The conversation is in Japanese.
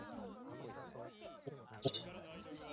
大野智